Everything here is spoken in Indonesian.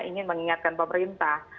ingin mengingatkan pemerintah